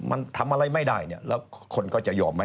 มันทำอะไรไม่ได้เนี่ยแล้วคนก็จะยอมไหม